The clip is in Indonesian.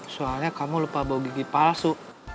soalnya kamu lupa bawa gigi palsu